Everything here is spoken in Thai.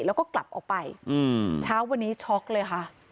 แล้วก็กลับออกไปเช้าวันนี้ช็อกเลยค่ะ